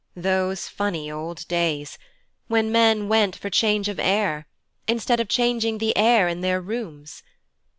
Those funny old days, when men went for change of air instead of changing the air in their rooms!